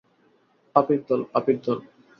পাপীর দল, পাপীর দল।